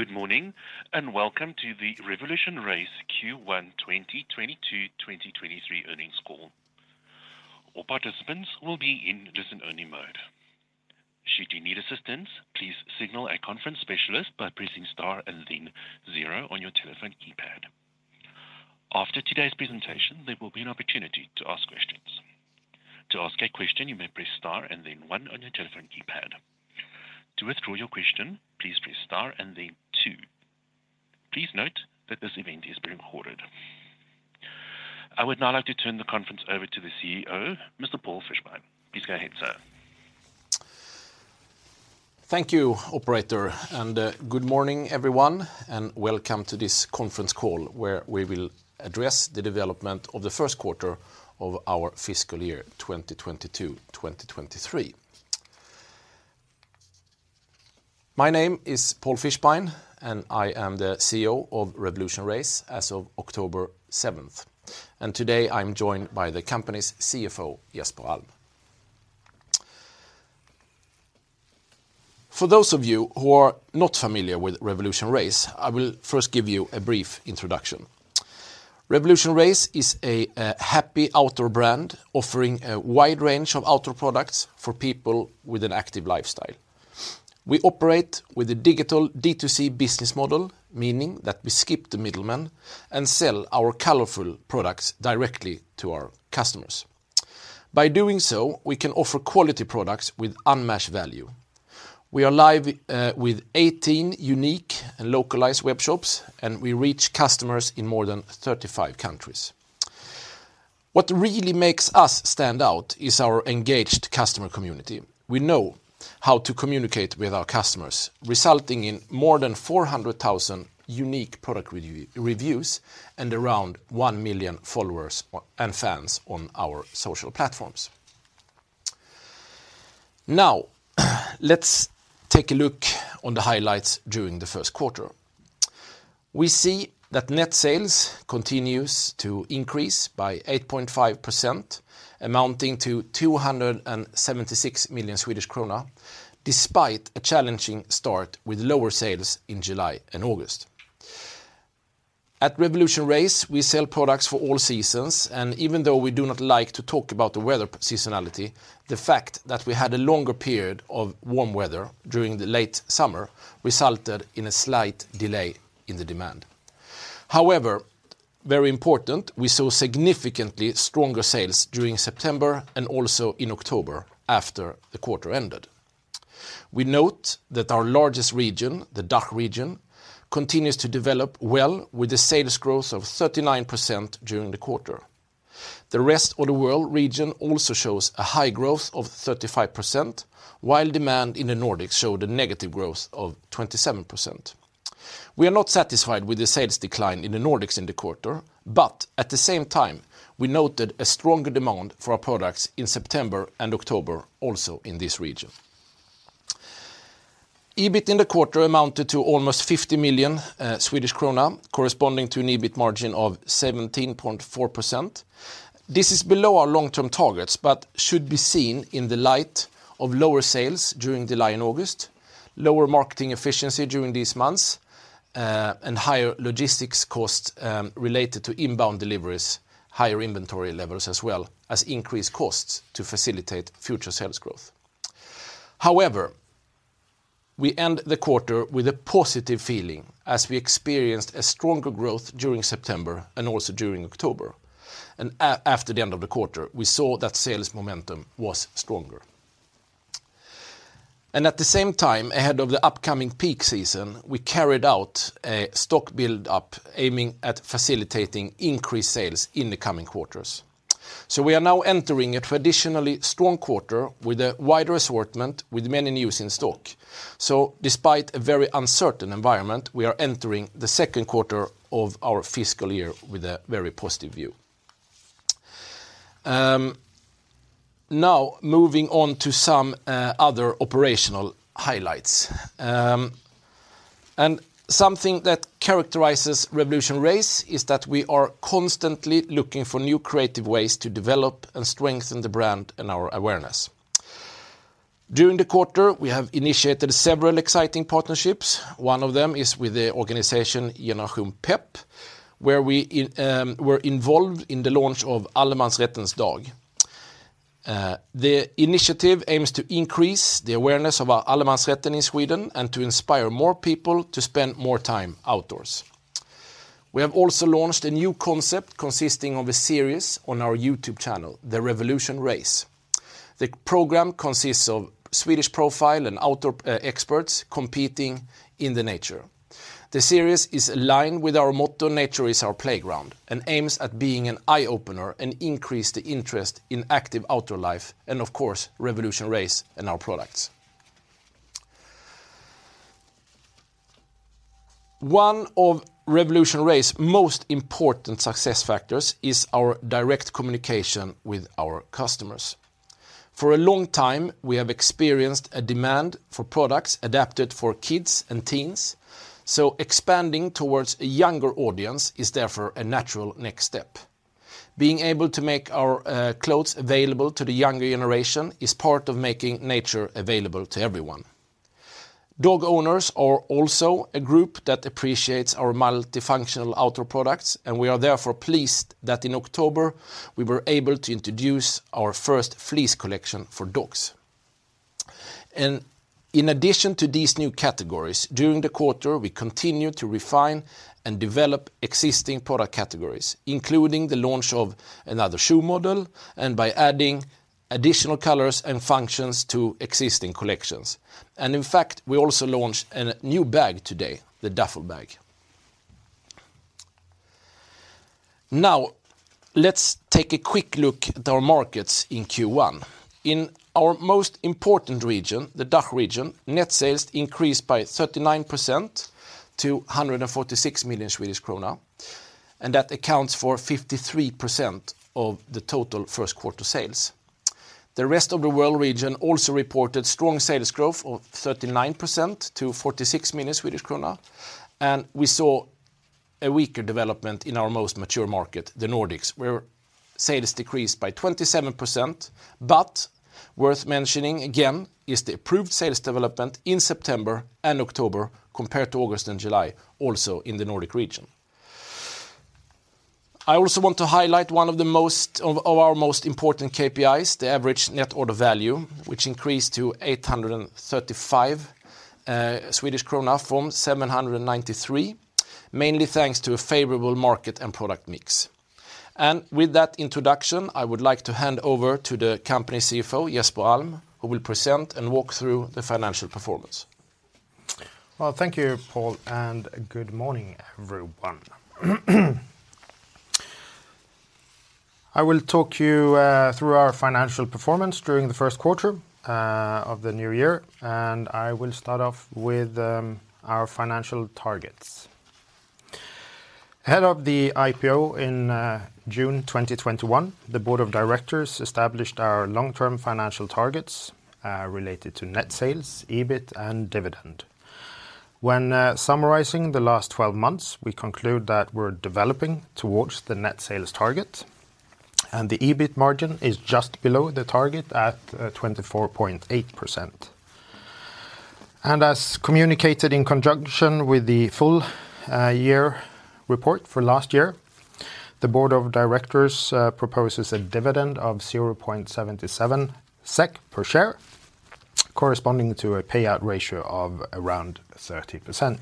Good morning, welcome to the RevolutionRace Q1 2022/2023 earnings call. All participants will be in listen-only mode. Should you need assistance, please signal a conference specialist by pressing star and then zero on your telephone keypad. After today's presentation, there will be an opportunity to ask questions. To ask a question, you may press star and then one on your telephone keypad. To withdraw your question, please press star and then two. Please note that this event is being recorded. I would now like to turn the conference over to the CEO, Mr. Paul Fischbein. Please go ahead, sir. Thank you, operator, good morning, everyone, welcome to this conference call where we will address the development of the first quarter of our fiscal year 2022/2023. My name is Paul Fischbein, I am the CEO of RevolutionRace as of October 7th. Today, I'm joined by the company's CFO, Jesper Alm. For those of you who are not familiar with RevolutionRace, I will first give you a brief introduction. RevolutionRace is a happy outdoor brand offering a wide range of outdoor products for people with an active lifestyle. We operate with a digital D2C business model, meaning that we skip the middleman and sell our colorful products directly to our customers. By doing so, we can offer quality products with unmatched value. We are live with 18 unique and localized web shops, we reach customers in more than 35 countries. What really makes us stand out is our engaged customer community. We know how to communicate with our customers, resulting in more than 400,000 unique product reviews and around 1 million followers and fans on our social platforms. Now, let's take a look on the highlights during the first quarter. We see that net sales continues to increase by 8.5%, amounting to 276 million Swedish krona, despite a challenging start with lower sales in July and August. At RevolutionRace, we sell products for all seasons, even though we do not like to talk about the weather seasonality, the fact that we had a longer period of warm weather during the late summer resulted in a slight delay in the demand. However, very important, we saw significantly stronger sales during September and also in October, after the quarter ended. We note that our largest region, the DACH region, continues to develop well with the sales growth of 39% during the quarter. The rest of the world region also shows a high growth of 35%, while demand in the Nordics showed a negative growth of 27%. We are not satisfied with the sales decline in the Nordics in the quarter, at the same time, we noted a stronger demand for our products in September and October also in this region. EBIT in the quarter amounted to almost 50 million Swedish krona, corresponding to an EBIT margin of 17.4%. This is below our long-term targets, should be seen in the light of lower sales during July and August, lower marketing efficiency during these months, higher logistics costs related to inbound deliveries, higher inventory levels as well as increased costs to facilitate future sales growth. However, we end the quarter with a positive feeling as we experienced a stronger growth during September and also during October. After the end of the quarter, we saw that sales momentum was stronger. At the same time, ahead of the upcoming peak season, we carried out a stock build-up aiming at facilitating increased sales in the coming quarters. We are now entering a traditionally strong quarter with a wider assortment with many news in stock. Despite a very uncertain environment, we are entering the second quarter of our fiscal year with a very positive view. Moving on to some other operational highlights. Something that characterizes RevolutionRace is that we are constantly looking for new creative ways to develop and strengthen the brand and our awareness. During the quarter, we have initiated several exciting partnerships. One of them is with the organization Generation Pep, where we were involved in the launch of Allemansrättens dag. The initiative aims to increase the awareness of Allemansrätten in Sweden and to inspire more people to spend more time outdoors. We have also launched a new concept consisting of a series on our YouTube channel, the RevolutionRace. The program consists of Swedish profile and outdoor experts competing in the nature. The series is aligned with our motto, nature is our playground, and aims at being an eye-opener and increase the interest in active outdoor life and of course, RevolutionRace and our products. One of RevolutionRace's most important success factors is our direct communication with our customers. For a long time, we have experienced a demand for products adapted for kids and teens, so expanding towards a younger audience is therefore a natural next step. Being able to make our clothes available to the younger generation is part of making nature available to everyone. Dog owners are also a group that appreciates our multifunctional outdoor products, and we are therefore pleased that in October, we were able to introduce our first fleece collection for dogs. In addition to these new categories, during the quarter, we continued to refine and develop existing product categories, including the launch of another shoe model, and by adding additional colors and functions to existing collections. In fact, we also launched a new bag today, the duffel bag. Let's take a quick look at our markets in Q1. In our most important region, the DACH region, net sales increased by 39% to 146 million Swedish krona, and that accounts for 53% of the total first quarter sales. The rest of the world region also reported strong sales growth of 39% to 46 million Swedish krona, and we saw a weaker development in our most mature market, the Nordics, where sales decreased by 27%. Worth mentioning, again, is the approved sales development in September and October compared to August and July, also in the Nordic region. I also want to highlight one of our most important KPIs, the average net order value, which increased to 835 Swedish krona from 793, mainly thanks to a favorable market and product mix. With that introduction, I would like to hand over to the company CFO, Jesper Alm, who will present and walk through the financial performance. Well, thank you, Paul, and good morning, everyone. I will talk you through our financial performance during the first quarter of the new year, and I will start off with our financial targets. Ahead of the IPO in June 2021, the board of directors established our long-term financial targets related to net sales, EBIT, and dividend. When summarizing the last 12 months, we conclude that we are developing towards the net sales target, and the EBIT margin is just below the target at 24.8%. As communicated in conjunction with the full year report for last year, the board of directors proposes a dividend of 0.77 SEK per share, corresponding to a payout ratio of around 30%.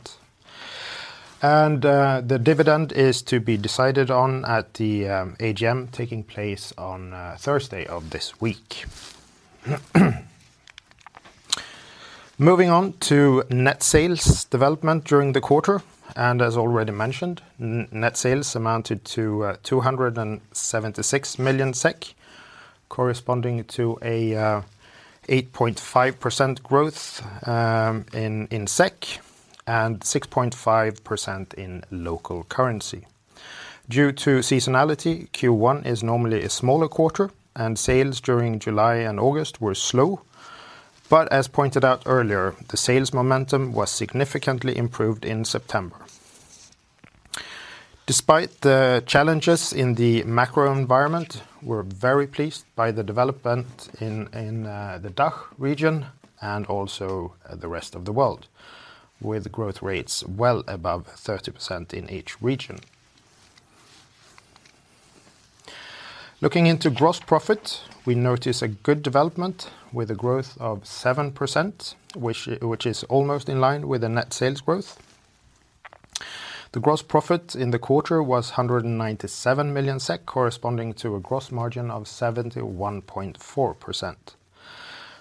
The dividend is to be decided on at the AGM taking place on Thursday of this week. Moving on to net sales development during the quarter, and as already mentioned, net sales amounted to 276 million SEK, corresponding to an 8.5% growth in SEK and 6.5% in local currency. Due to seasonality, Q1 is normally a smaller quarter, and sales during July and August were slow. As pointed out earlier, the sales momentum was significantly improved in September. Despite the challenges in the macro environment, we are very pleased by the development in the DACH region and also the rest of the world, with growth rates well above 30% in each region. Looking into gross profit, we notice a good development with a growth of 7%, which is almost in line with the net sales growth. The gross profit in the quarter was 197 million SEK, corresponding to a gross margin of 71.4%.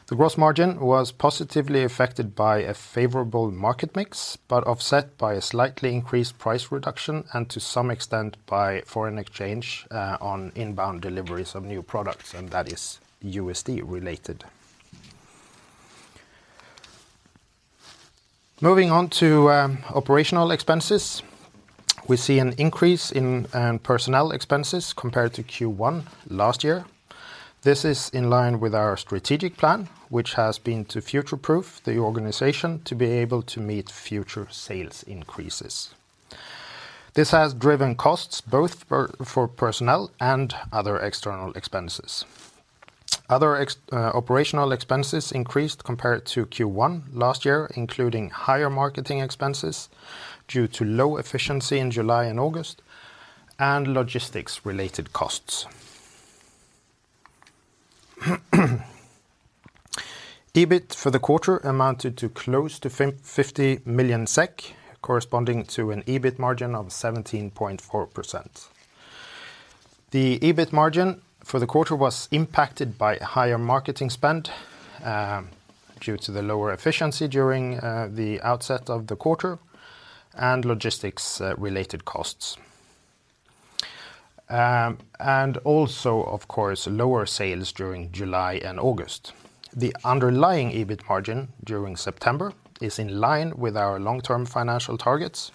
The gross margin was positively affected by a favorable market mix, but offset by a slightly increased price reduction and to some extent by foreign exchange on inbound deliveries of new products, and that is USD related. Moving on to operational expenses, we see an increase in personnel expenses compared to Q1 last year. This is in line with our strategic plan, which has been to future-proof the organization to be able to meet future sales increases. This has driven costs both for personnel and other external expenses. Other operational expenses increased compared to Q1 last year, including higher marketing expenses due to low efficiency in July and August and logistics-related costs. EBIT for the quarter amounted to close to 50 million SEK, corresponding to an EBIT margin of 17.4%. The EBIT margin for the quarter was impacted by higher marketing spend due to the lower efficiency during the outset of the quarter and logistics-related costs. Also, of course, lower sales during July and August. The underlying EBIT margin during September is in line with our long-term financial targets,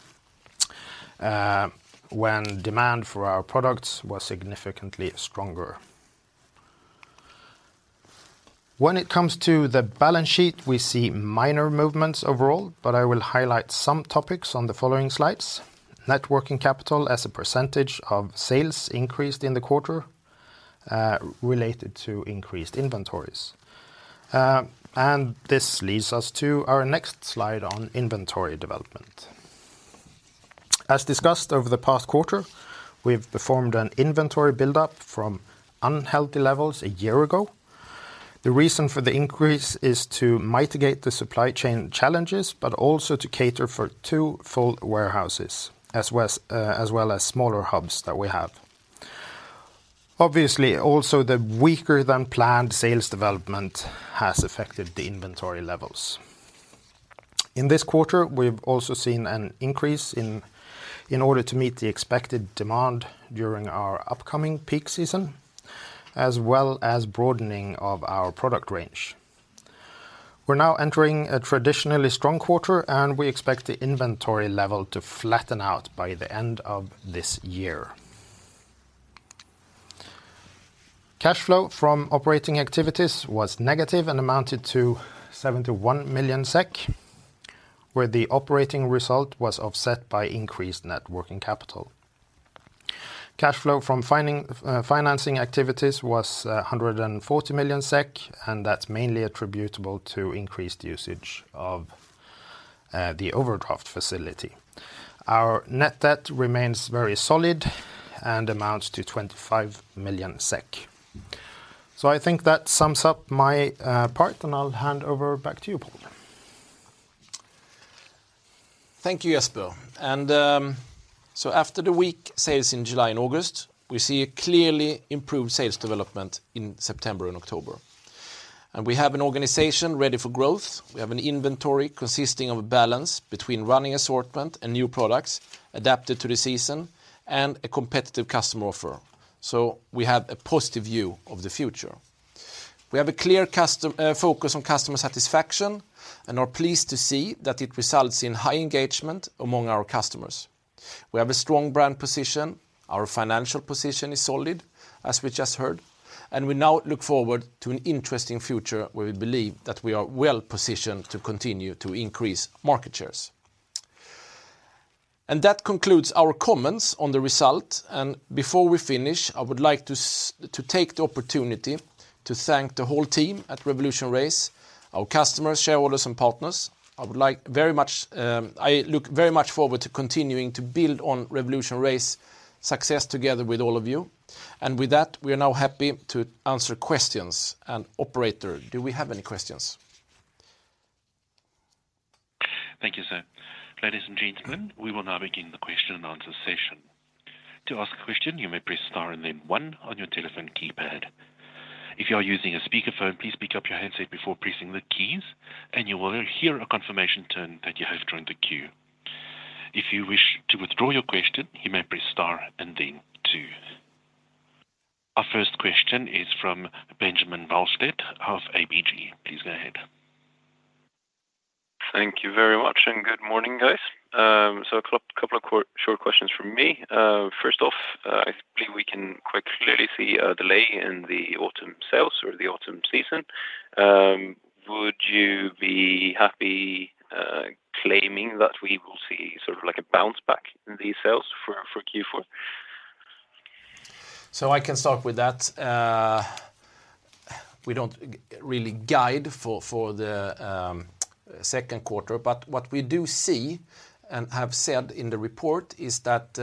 when demand for our products was significantly stronger. When it comes to the balance sheet, we see minor movements overall, but I will highlight some topics on the following slides. Net working capital as a percentage of sales increased in the quarter, related to increased inventories. This leads us to our next slide on inventory development. As discussed over the past quarter, we have performed an inventory buildup from unhealthy levels a year ago. The reason for the increase is to mitigate the supply chain challenges, but also to cater for two full warehouses, as well as smaller hubs that we have. Obviously, also the weaker than planned sales development has affected the inventory levels. In this quarter, we've also seen an increase in order to meet the expected demand during our upcoming peak season, as well as broadening of our product range. We're now entering a traditionally strong quarter, and we expect the inventory level to flatten out by the end of this year. Cash flow from operating activities was negative and amounted to 71 million SEK, where the operating result was offset by increased net working capital. Cash flow from financing activities was 140 million SEK, and that's mainly attributable to increased usage of the overdraft facility. Our net debt remains very solid and amounts to 25 million SEK. I think that sums up my part, and I'll hand over back to you, Paul. Thank you, Jesper. After the weak sales in July and August, we see a clearly improved sales development in September and October. We have an organization ready for growth. We have an inventory consisting of a balance between running assortment and new products adapted to the season, and a competitive customer offer. We have a positive view of the future. We have a clear focus on customer satisfaction and are pleased to see that it results in high engagement among our customers. We have a strong brand position. Our financial position is solid, as we just heard, and we now look forward to an interesting future where we believe that we are well-positioned to continue to increase market shares. That concludes our comments on the result. Before we finish, I would like to take the opportunity to thank the whole team at RevolutionRace, our customers, shareholders, and partners. I look very much forward to continuing to build on RevolutionRace success together with all of you. With that, we are now happy to answer questions. Operator, do we have any questions? Thank you, sir. Ladies and gentlemen, we will now begin the question and answer session. To ask a question, you may press star and then one on your telephone keypad. If you are using a speakerphone, please pick up your handset before pressing the keys, and you will hear a confirmation tone that you have joined the queue. If you wish to withdraw your question, you may press star and then two. Our first question is from Benjamin Wahlstedt of ABG. Please go ahead. Thank you very much. Good morning, guys. A couple of short questions from me. First off, I think we can quite clearly see a delay in the autumn sales or the autumn season. Would you be happy claiming that we will see a bounce back in these sales for Q4? I can start with that. We don't really guide for the second quarter. What we do see and have said in the report is that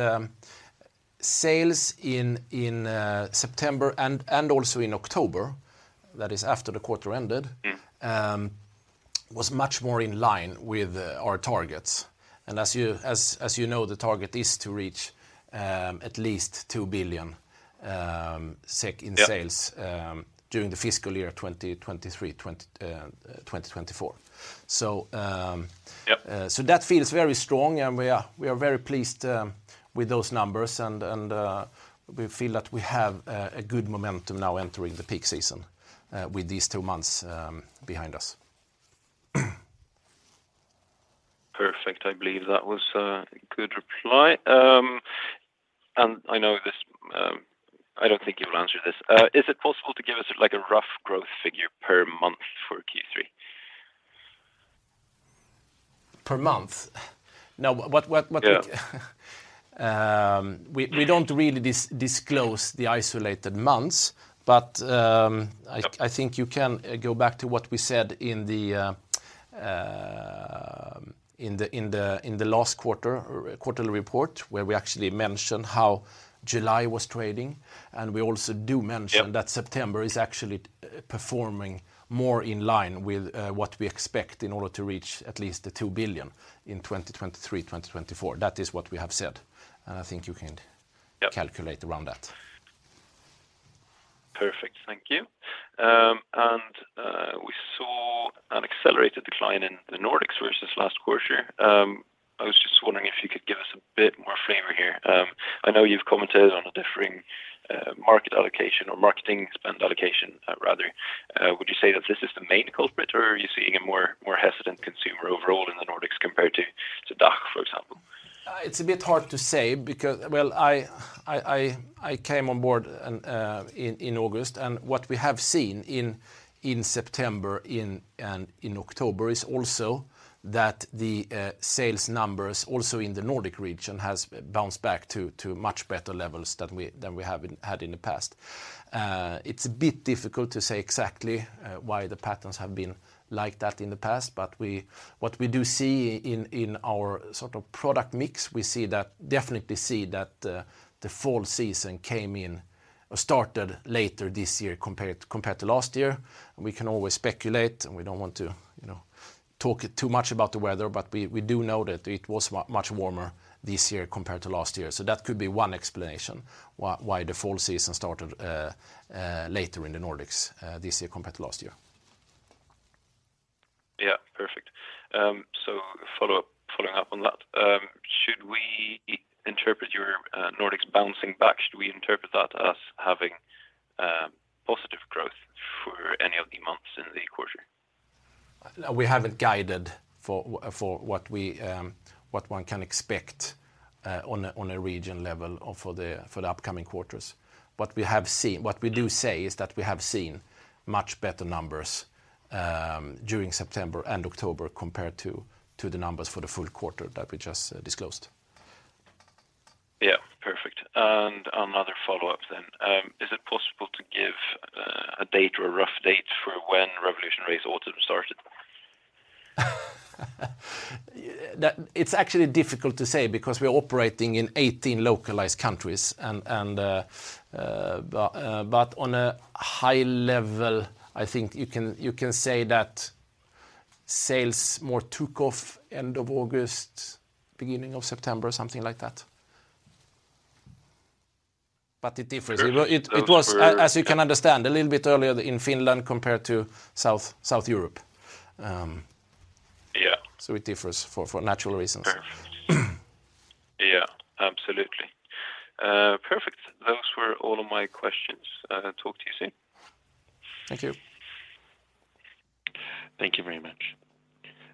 sales in September and also in October, that is after the quarter ended. was much more in line with our targets. As you know, the target is to reach at least 2 billion SEK in sales. Yep during the fiscal year 2023, 2024. Yep That feels very strong, and we are very pleased with those numbers, and we feel that we have a good momentum now entering the peak season with these two months behind us. Perfect. I believe that was a good reply. I don't think you'll answer this. Is it possible to give us a rough growth figure per month for Q3? Per month? No. Yeah We don't really disclose the isolated months. Yep I think you can go back to what we said in the last quarter or quarterly report, where we actually mentioned how July was trading. Yep September is actually performing more in line with what we expect in order to reach at least 2 billion in 2023, 2024. That is what we have said. Yep calculate around that. Perfect. Thank you. We saw an accelerated decline in the Nordics versus last quarter. I was just wondering if you could give us a bit more flavor here. I know you've commented on a differing market allocation or marketing spend allocation, rather. Would you say that this is the main culprit, or are you seeing a more hesitant consumer overall in the Nordics compared to DACH, for example? It's a bit hard to say because, well, I came on board in August. What we have seen in September and in October is also that the sales numbers also in the Nordic region has bounced back to much better levels than we have had in the past. It's a bit difficult to say exactly why the patterns have been like that in the past, but what we do see in our product mix, we definitely see that the fall season started later this year compared to last year. We can always speculate, and we don't want to talk too much about the weather, but we do know that it was much warmer this year compared to last year. That could be one explanation why the fall season started later in the Nordics this year compared to last year. Yeah. Perfect. Following up on that, should we interpret your Nordics bouncing back, should we interpret that as having positive growth for any of the months in the quarter? We haven't guided for what one can expect on a region level for the upcoming quarters. What we do say is that we have seen much better numbers during September and October compared to the numbers for the full quarter that we just disclosed. Perfect. Another follow-up then. Is it possible to give a date or a rough date for when RevolutionRace autumn started? It's actually difficult to say because we're operating in 18 localized countries. On a high level, I think you can say that sales more took off end of August, beginning of September, something like that. It differs. It was, as you can understand, a little bit earlier in Finland compared to South Europe. Yeah. It differs for natural reasons. Perfect. Yeah, absolutely. Perfect. Those were all of my questions. Talk to you soon. Thank you. Thank you very much.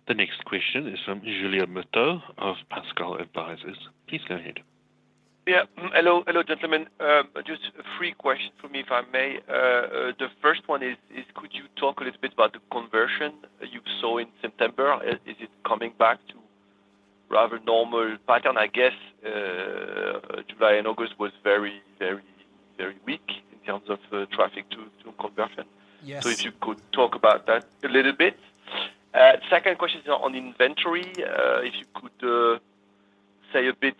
The next question is from Julien Motte of Pascal Advisers. Please go ahead. Yeah. Hello, gentlemen. Just three questions for me, if I may. The first one is could you talk a little bit about the conversion you saw in September? Is it coming back to rather normal pattern, I guess? July and August was very weak in terms of traffic to conversion. Yes. If you could talk about that a little bit. Second question is on inventory. If you could say a bit,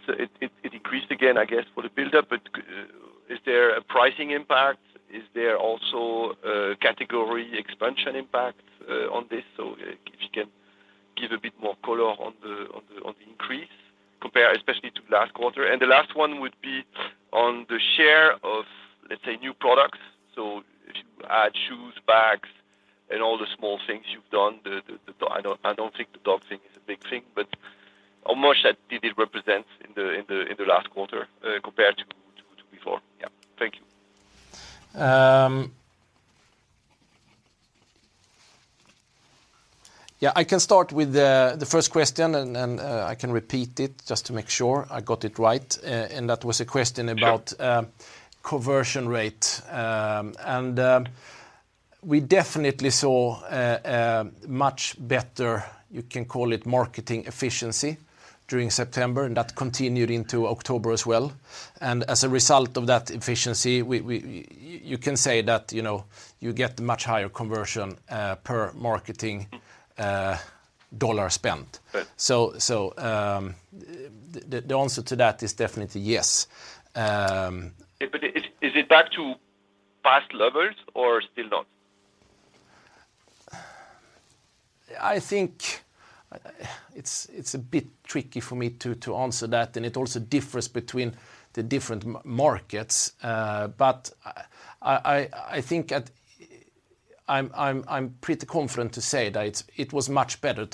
it decreased again, I guess, for the buildup, but is there a pricing impact? Is there also a category expansion impact on this? If you can give a bit more color on the increase compared especially to last quarter. The last one would be on the share of, let's say, new products. If you add shoes, bags, and all the small things you've done, I don't think the dog thing is a big thing, but how much did it represent in the last quarter compared to before? Yeah. Thank you. Yeah, I can start with the first question. I can repeat it just to make sure I got it right. That was a question about conversion rate. We definitely saw a much better, you can call it marketing efficiency during September. That continued into October as well. As a result of that efficiency, you can say that you get much higher conversion per marketing SEK spent. Good. The answer to that is definitely yes. Is it back to past levels or still not? I think it's a bit tricky for me to answer that. It also differs between the different markets. I think I'm pretty confident to say that it was much better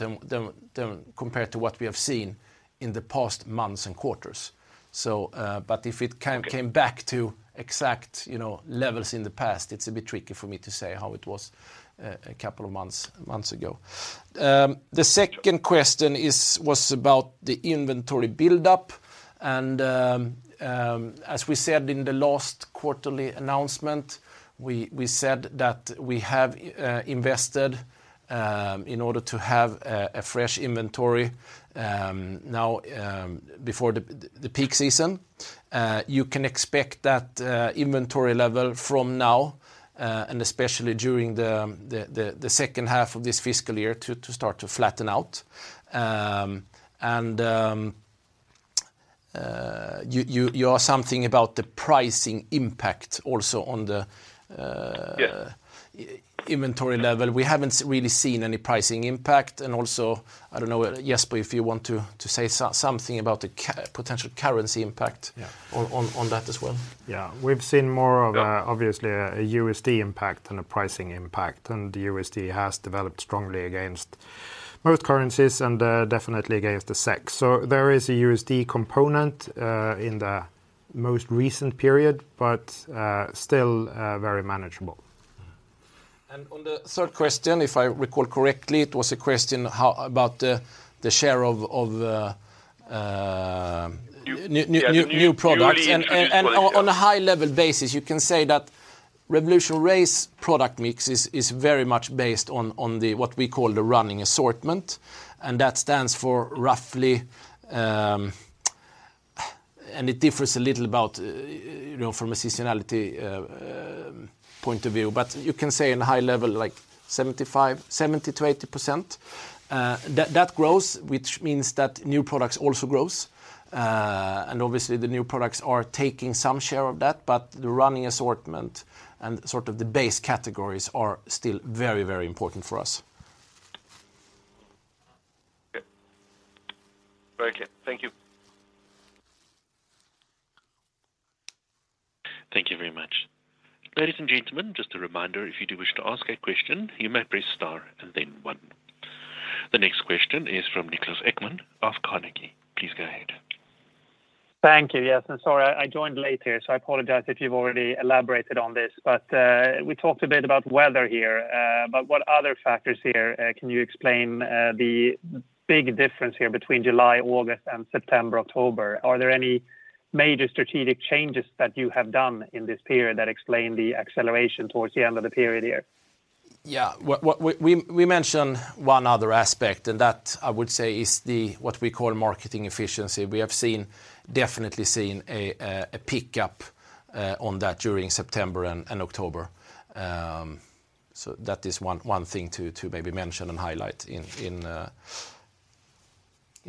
compared to what we have seen in the past months and quarters. If it came back to exact levels in the past, it's a bit tricky for me to say how it was a couple of months ago. The second question was about the inventory buildup. As we said in the last quarterly announcement, we said that we have invested in order to have a fresh inventory now before the peak season. You can expect that inventory level from now and especially during the second half of this fiscal year to start to flatten out. You asked something about the pricing impact also on the Yeah inventory level. We haven't really seen any pricing impact. Also, I don't know, Jesper, if you want to say something about the potential currency impact. Yeah on that as well. Yeah. We've seen more of a, obviously, a USD impact than a pricing impact. The USD has developed strongly against most currencies and definitely against the SEK. There is a USD component in the most recent period, but still very manageable. On the third question, if I recall correctly, it was a question about the share of new products. Yeah. The new products. On a high-level basis, you can say that RevolutionRace product mix is very much based on what we call the running assortment. That stands for roughly, and it differs a little from a seasonality point of view. You can say in high level, 70%-80%. That grows, which means that new products also grow. Obviously the new products are taking some share of that, but the running assortment and the base categories are still very important for us. Okay. Very clear. Thank you. Thank you very much. Ladies and gentlemen, just a reminder, if you do wish to ask a question, you may press star and then one. The next question is from Niklas Ekman of Carnegie. Please go ahead. Thank you. Yes, sorry, I joined late here, so I apologize if you've already elaborated on this. We talked a bit about weather here, but what other factors here can you explain the big difference here between July, August and September, October? Are there any major strategic changes that you have done in this period that explain the acceleration towards the end of the period here? Yeah. We mentioned one other aspect, and that, I would say, is what we call marketing efficiency. We have definitely seen a pickup on that during September and October. That is one thing to maybe mention and highlight in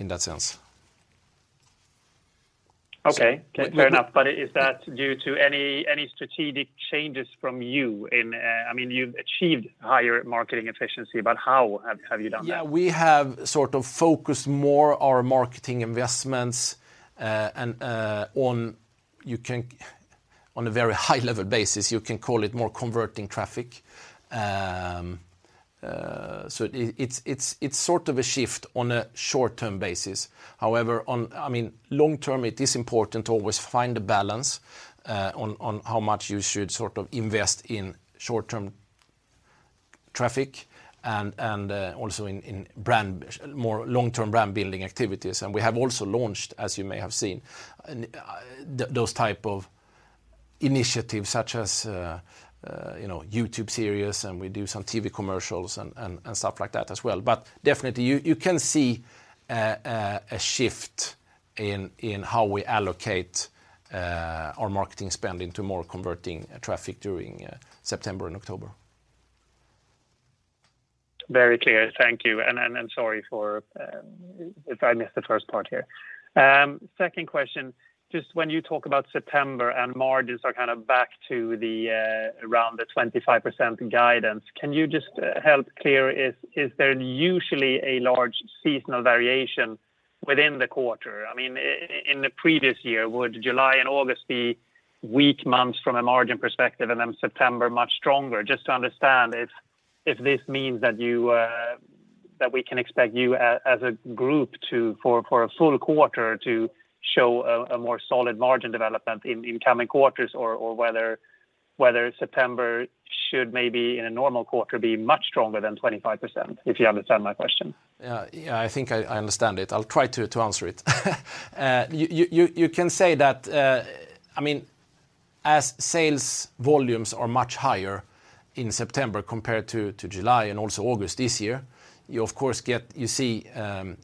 that sense. Okay. Fair enough. Is that due to any strategic changes from you? You've achieved higher marketing efficiency, but how have you done that? Yeah, we have focused more our marketing investments on a very high-level basis. You can call it more converting traffic. It's a shift on a short-term basis. However, long term, it is important to always find a balance on how much you should invest in short-term traffic, and also in more long-term brand-building activities. We have also launched, as you may have seen, those type of initiatives such as YouTube series, and we do some TV commercials and stuff like that as well. Definitely, you can see a shift in how we allocate our marketing spending to more converting traffic during September and October. Very clear. Thank you. Sorry if I missed the first part here. Second question, just when you talk about September and margins are back to around the 25% guidance, can you just help clear, is there usually a large seasonal variation within the quarter? In the previous year, would July and August be weak months from a margin perspective and then September much stronger? Just to understand if this means that we can expect you, as a group, for a full quarter to show a more solid margin development in coming quarters, or whether September should maybe, in a normal quarter, be much stronger than 25%, if you understand my question. Yeah, I think I understand it. I'll try to answer it. You can say that as sales volumes are much higher in September compared to July and also August this year, you of course see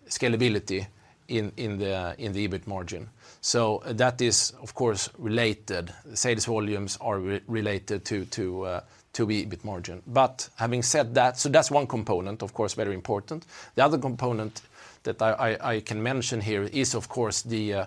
scalability in the EBIT margin. That is, of course, related. Sales volumes are related to EBIT margin. Having said that's one component, of course, very important. The other component that I can mention here is, of course, the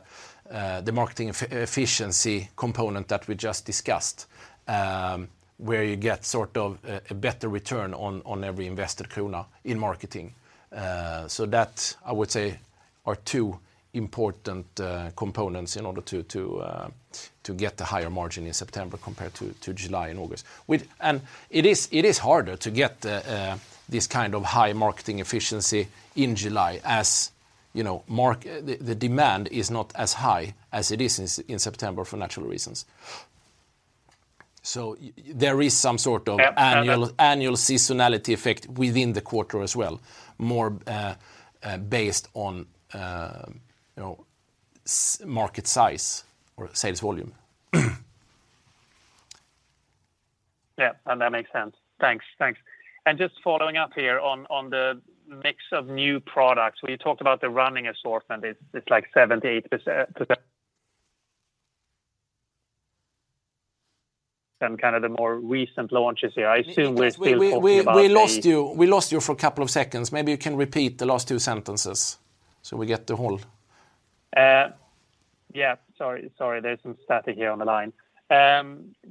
marketing efficiency component that we just discussed, where you get a better return on every invested krona in marketing. That, I would say, are two important components in order to get the higher margin in September compared to July and August. It is harder to get this kind of high marketing efficiency in July as the demand is not as high as it is in September for natural reasons. There is some sort of annual seasonality effect within the quarter as well, more based on market size or sales volume. Yeah. That makes sense. Thanks. Just following up here on the mix of new products, when you talked about the running assortment, it's like 78%. Some kind of the more recent launches here, I assume we're still talking about. We lost you for a couple of seconds. Maybe you can repeat the last two sentences so we get the whole. Yeah. Sorry, there's some static here on the line.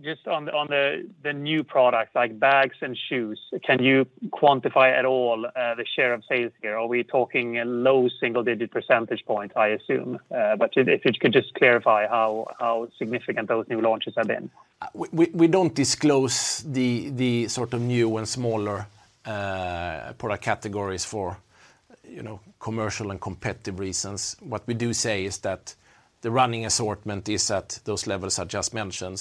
Just on the new products like bags and shoes, can you quantify at all the share of sales here? Are we talking a low single-digit percentage point, I assume? If you could just clarify how significant those new launches have been. We don't disclose the new and smaller product categories for commercial and competitive reasons. What we do say is that the running assortment is at those levels I just mentioned.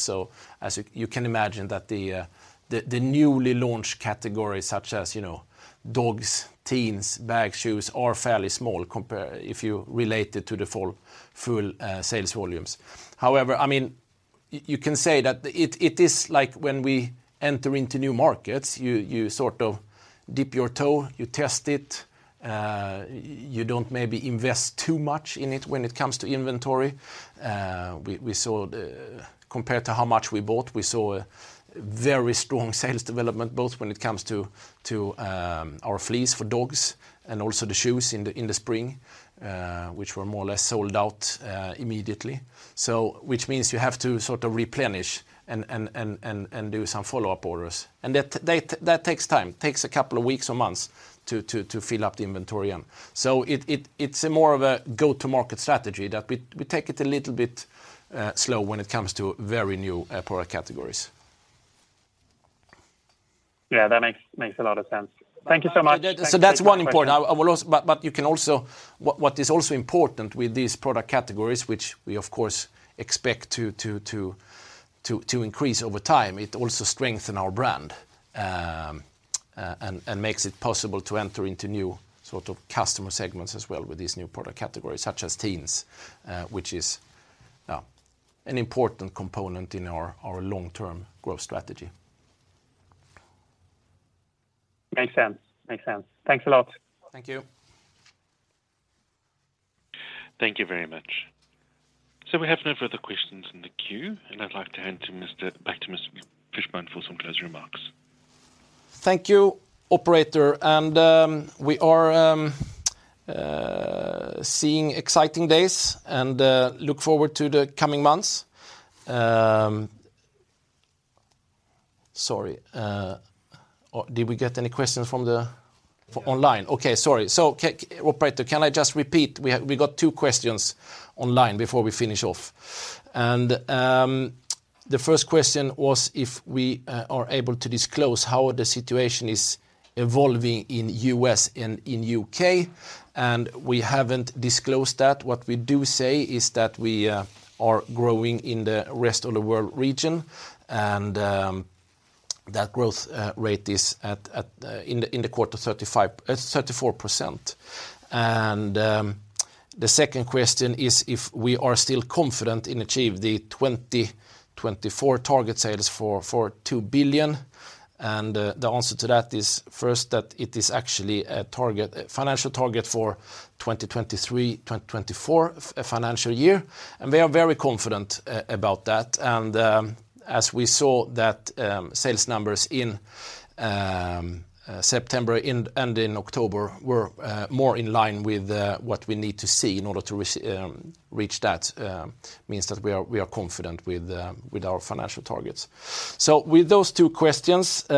As you can imagine that the newly launched categories such as dogs, teens, bags, shoes, are fairly small if you relate it to the full sales volumes. However, you can say that it is like when we enter into new markets, you sort of dip your toe, you test it. You don't maybe invest too much in it when it comes to inventory. Compared to how much we bought, we saw a very strong sales development, both when it comes to our fleece for dogs and also the shoes in the spring, which were more or less sold out immediately. Which means you have to sort of replenish and do some follow-up orders. That takes time, takes a couple of weeks or months to fill up the inventory again. It's more of a go-to-market strategy that we take it a little bit slow when it comes to very new product categories. Yeah, that makes a lot of sense. Thank you so much. What is also important with these product categories, which we, of course, expect to increase over time, it also strengthen our brand, and makes it possible to enter into new sort of customer segments as well with these new product categories, such as teens, which is an important component in our long-term growth strategy. Makes sense. Thanks a lot. Thank you. Thank you very much. We have no further questions in the queue, I'd like to hand back to Mr. Fischbein for some closing remarks. Thank you, operator. We are seeing exciting days and look forward to the coming months. Sorry. Did we get any questions from the Yeah online? Okay, sorry. Operator, can I just repeat, we got two questions online before we finish off. The first question was if we are able to disclose how the situation is evolving in U.S. and in U.K., we haven't disclosed that. What we do say is that we are growing in the rest of the world region, that growth rate is, in the quarter, at 34%. The second question is if we are still confident in achieve the 2024 target sales for 2 billion. The answer to that is, first, that it is actually a financial target for 2023/24 financial year. We are very confident about that. As we saw that sales numbers in September and in October were more in line with what we need to see in order to reach that, means that we are confident with our financial targets. With those two questions, we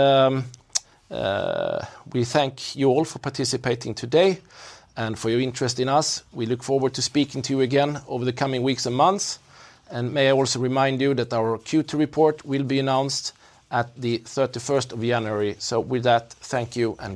thank you all for participating today and for your interest in us. We look forward to speaking to you again over the coming weeks and months. May I also remind you that our Q2 report will be announced at the 31st of January. With that, thank you and bye.